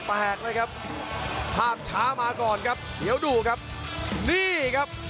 แตกนะครับภาพช้ามาก่อนครับเดี๋ยวดูครับนี่ครับ